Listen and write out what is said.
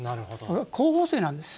候補生なんです。